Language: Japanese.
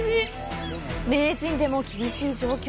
名人でも厳しい状況。